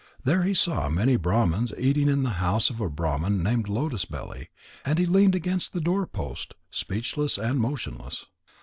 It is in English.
There he saw many Brahmans eating in the house of a Brahman named Lotus belly, and he leaned against the doorpost, speechless and motionless.